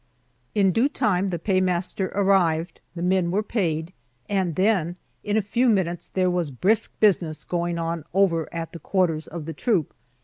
In due time the paymaster arrived, the men were paid, and then in a few minutes there was brisk business going on over at the quarters of the troop!